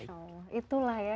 masya allah itulah ya